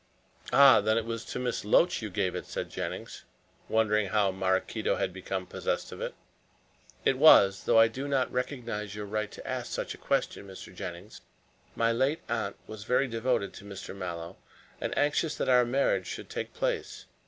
"Ah! then it was to Miss Loach you gave it," said Jennings, wondering how Maraquito had become possessed of it. "It was; though I do not recognize your right to ask such a question, Mr. Jennings. My late aunt was very devoted to Mr. Mallow and anxious that our marriage should take place.